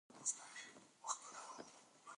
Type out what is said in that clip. هوسۍ له زمري تېښته کوي.